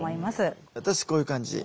私こういう感じ。